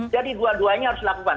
jadi dua duanya harus dilakukan